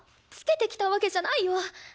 つけてきたわけじゃないよ。